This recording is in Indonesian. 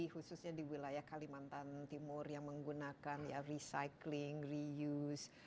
khususnya di wilayah kalimantan timur yang menggunakan recycling reuse